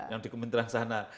yang di kementerian sana